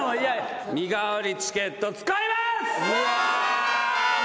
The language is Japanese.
身代わりチケット使います！